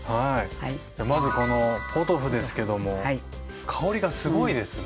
じゃあまずこのポトフですけども香りがすごいですね。